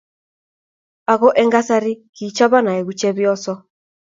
Aku eng kasarai kichobon aeku chepyoso.